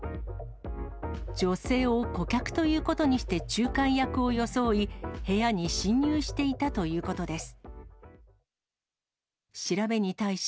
女性を顧客ということにして仲介役を装い、部屋に侵入していたということです。